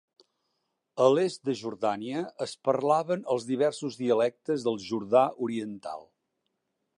A l'est de Jordània es parlaven els diversos dialectes del jordà oriental.